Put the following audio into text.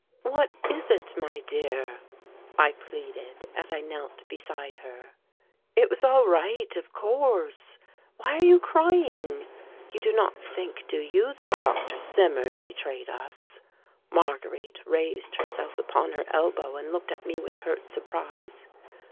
"What is it, my dear?" I pleaded, as I knelt beside her. "It was all right, of course. Why are you crying you do not think, do you, that Dr. Zimmern betrayed us?" Marguerite raised herself upon her elbow and looked at me with hurt surprise.